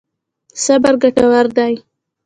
صبر ګټور دی.